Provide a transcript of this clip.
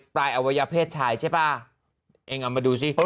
ปลายอวัยเพศชายใช่ป่ะเองเอามาดูสิ